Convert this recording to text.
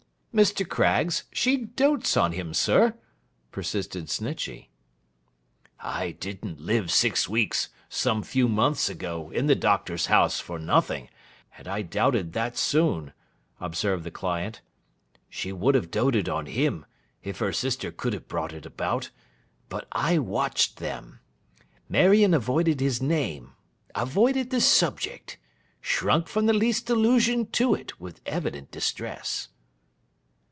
'Mr. Craggs, she dotes on him, sir,' persisted Snitchey. 'I didn't live six weeks, some few months ago, in the Doctor's house for nothing; and I doubted that soon,' observed the client. 'She would have doted on him, if her sister could have brought it about; but I watched them. Marion avoided his name, avoided the subject: shrunk from the least allusion to it, with evident distress.